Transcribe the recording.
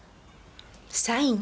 サイン？